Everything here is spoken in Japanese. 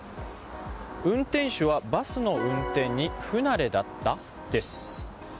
運転手はバスの運転に不慣れだった？です。